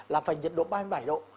là phải nhiệt độ ba mươi bảy độ